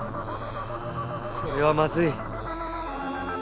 これはまずい！